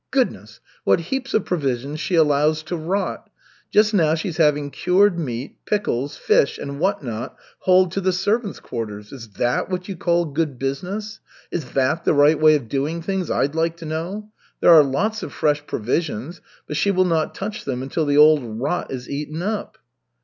"Goodness, what heaps of provisions she allows to rot! Just now she's having cured meat, pickles, fish and what not hauled to the servants' quarters. Is that what you call good business? Is that the right way of doing things, I'd like to know. There are lots of fresh provisions, but she will not touch them until the old rot is eaten up."